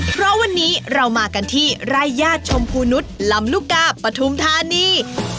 เพราะวันนี้เรามากันที่ไร่ญาติชมพูนุษย์ลำลูกกาปฐุมธานี